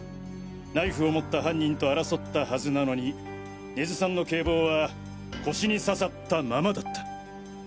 ナイフを持った犯人と争ったはずなのに根津さんの警棒は腰にささったままだった。